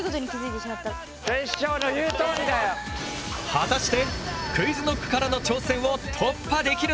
果たしてＱｕｉｚＫｎｏｃｋからの挑戦を突破できるのか！？